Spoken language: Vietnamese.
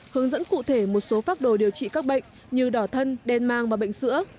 hướng dẫn cụ thể một số phác đồ điều trị các bệnh như đỏ thân đen mang và bệnh sữa